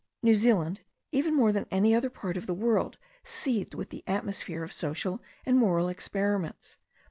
New Zealand, even more than any other part of the world, seethed with the atmosphere of social and moral ex periments.